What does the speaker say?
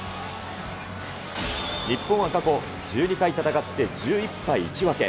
日本は過去１２回戦って１１敗１分け。